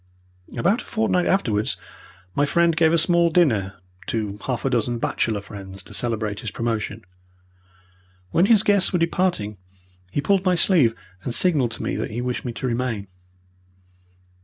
About a fortnight afterwards my friend gave a small dinner to half a dozen bachelor friends to celebrate his promotion. When his guests were departing he pulled my sleeve and signalled to me that he wished me to remain.